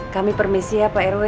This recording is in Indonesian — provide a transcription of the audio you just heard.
kami permisi ya pak rw